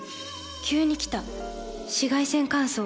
急に来た紫外線乾燥。